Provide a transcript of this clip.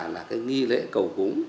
là cái nghi lễ cầu cúng